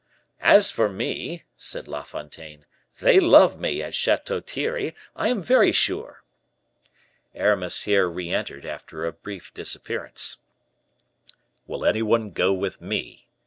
"As for me," said La Fontaine, "they love me at Chateau Thierry, I am very sure." Aramis here re entered after a brief disappearance. "Will any one go with me?"